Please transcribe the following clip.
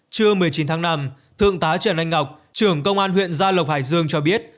trưa một mươi chín tháng năm thượng tá trần anh ngọc trưởng công an huyện gia lộc hải dương cho biết